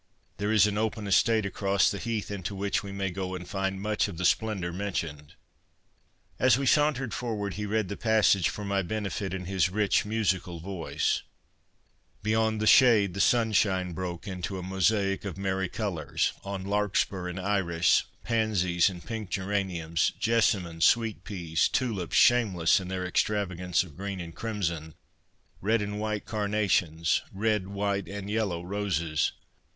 There is an open estate across the heath into which we may go and find much of the splendour mentioned.' As we sauntered forward, he read the passage for my benefit in his rich, musical voice :'" Beyond the shade, the sunshine broke into a mosaic of merry colours, on larkspur and iris, pansies and pink geraniums, jessamine, sweet peas, tulips shameless in their extravagance of green and crimson, red and white carnations, red, white, and yellow roses.